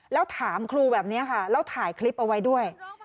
แล้วถามครูแบบนี้ค่ะแล้วถ่ายคลิปเอาไว้ด้วย